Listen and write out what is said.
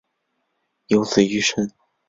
有子俞深。